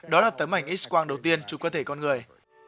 đó là tấm ảnh x quang đầu tiên trong cơ thể con người